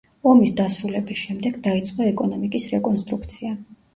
ომის დასრულების შემდეგ დაიწყო ეკონომიკის რეკონსტრუქცია.